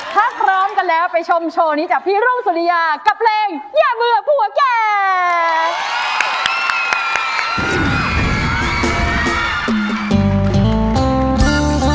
ถ้าพร้อมกันแล้วไปชมโชว์นี้จากพี่รุ่งสุริยากับเพลงอย่าเบื่อผัวแก